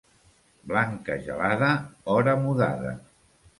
Blanca gelada, hora mudada.